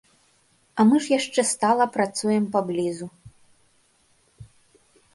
А мы ж яшчэ стала працуем паблізу.